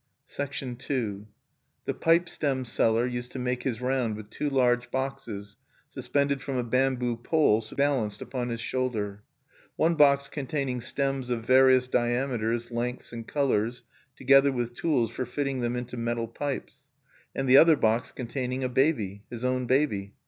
II The pipe stem seller used to make his round with two large boxes suspended from a bamboo pole balanced upon his shoulder: one box containing stems of various diameters, lengths, and colors, together with tools for fitting them into metal pipes; and the other box containing a baby, his own baby.